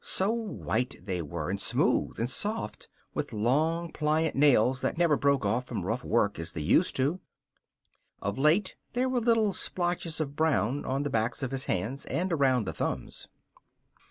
So white they were, and smooth and soft, with long, pliant nails that never broke off from rough work as they used to. Of late there were little splotches of brown on the backs of his hands and around the thumbs.